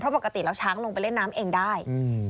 เพราะปกติเราช้างลงไปเล่นน้ำเองได้